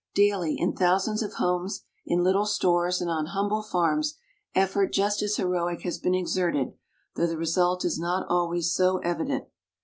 Daily, in thousands of homes, in little stores and on humble farms, effort just as heroic has been exerted, though the result is not always so evident.